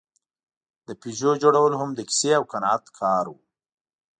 د پيژو جوړول هم د کیسې او قناعت کار و.